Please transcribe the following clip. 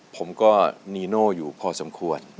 ผมก็นีโน่อยู่พอสมควรนะครับ